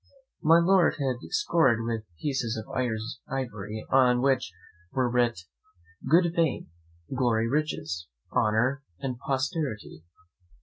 My Lord had scored with pieces of ivory, on which were writ, "Good Fame, Glory, Riches, Honour, and Posterity!"